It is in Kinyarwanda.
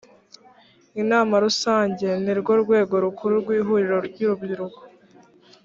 inama rusange ni rwo rwego rukuru rw’ihuriro ry’urubyiruko